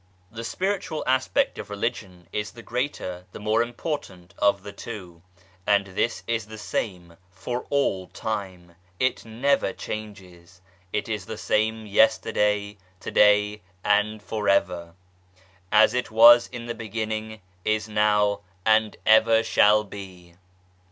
The Spiritual aspect of Religion is the greater, the more important of the two, and this is the same for all time, it never changes ! It is the same, yesterday, to day, and for evr !" As it was in the beginning, is now, and ever shall be."